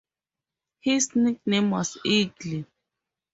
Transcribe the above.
His nickname was "Eagle".